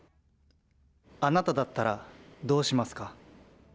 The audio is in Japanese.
あなただったらどうしますか。